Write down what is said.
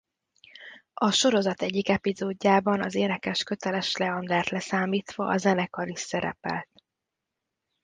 A sorozat egyik epizódjában az énekes Köteles Leandert leszámítva a zenekar is szerepelt.